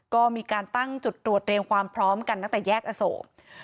ก็มีการตั้งจุดตรวจเรียงความพร้อมกันตั้งแต่แยกอโศก